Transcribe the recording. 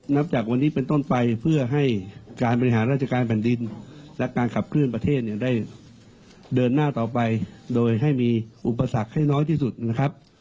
นับจากวันนี้เป็นต้นไปเพื่อให้การบริหารราชการแผ่นดินและการขับเคลื่อนประเทศเนี่ยได้เดินหน้าต่อไปโดยให้มีอุปสรรคให้น้อยที่สุดนะครับ